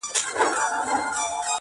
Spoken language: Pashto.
ولسي ذوق هم د حمزه د ذوق په څیر بریښي